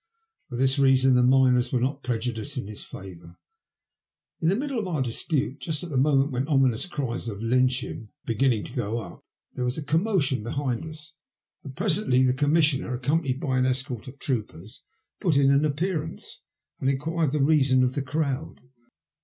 For this reason the miners were not prejudiced in his favour. In the middle of our dispute, and just at the moment when ominous cries of Lynch him " were 1 28 THE LUST OF HATE. beginning to go up, there was a commotion behind us, and presently the Commissioner, accompanied by an escort of troopers, put in an appearance, and enquired the reason of the crowd.